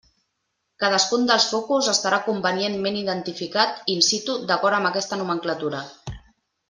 Cadascun dels focus estarà convenientment identificat in situ d'acord amb aquesta nomenclatura.